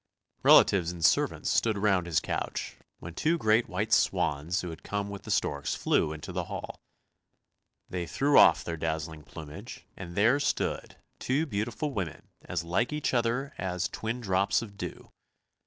Relatives and servants stood round his couch, when two great white swans who had come with the storks flew into the hall. They threw off their dazzling plumage, and there stood two beautiful women as like each other as twin drops of dew.